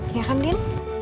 iya kan din